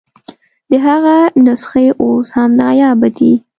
د هغه نسخې اوس هم نایابه دي.